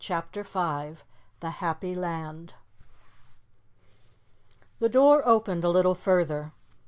CHAPTER V "THE HAPPY LAND" THE door opened a little further.